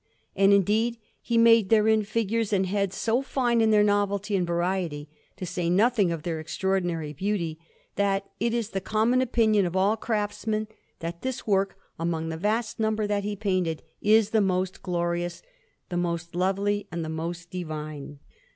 And, indeed, he made therein figures and heads so fine in their novelty and variety, to say nothing of their extraordinary beauty, that it is the common opinion of all craftsmen that this work, among the vast number that he painted, is the most glorious, the most lovely, and the most divine.